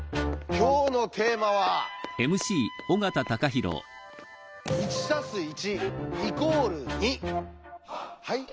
今日のテーマは「はい？